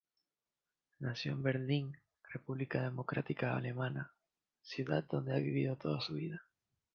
Nació en Berlín, República Democrática Alemana, ciudad donde ha vivido toda su vida.